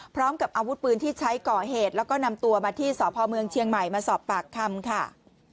พร้อมกับอาวุธปืนที่ใช้ก่อเหตุแล้วก็นำตัวมาที่สพเมืองเชียงใหม่มาสอบปากคำค่ะ